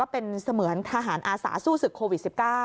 เป็นเสมือนทหารอาสาสู้ศึกโควิด๑๙